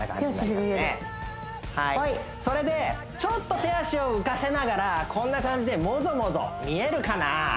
はいそれでちょっと手足を浮かせながらこんな感じでもぞもぞ見えるかな？